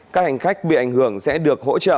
các hành khách bị ảnh hưởng sẽ được hỗ trợ